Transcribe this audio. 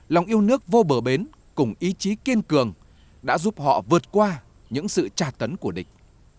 lòng yêu nước vô bờ bến cùng ý chí kiên cường đã giúp họ vượt qua những sự trà tấn của địch